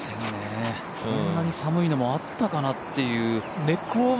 こんなに寒いのもあったかなって。